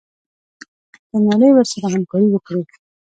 که نړۍ ورسره همکاري وکړي.